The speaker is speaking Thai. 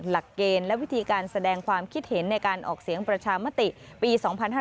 หลักเกณฑ์และวิธีการแสดงความคิดเห็นในการออกเสียงประชามติปี๒๕๕๙